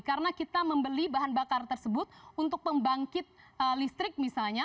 karena kita membeli bahan bakar tersebut untuk membangkit listrik misalnya